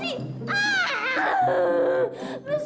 mister pak polisi